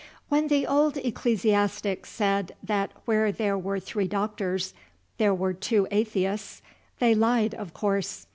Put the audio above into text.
"When the old ecclesiastics said that where there were three doctors there were two atheists, they lied, of course.